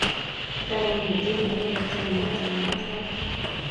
Takomiten murenik che miachen en masaek